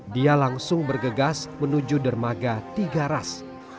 dia langsung bergegas menuju dermaga tiga ras